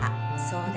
そう